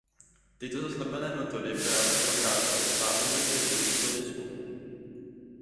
Tyto zaslepené metody právě prokázaly svá omezení v Tunisku.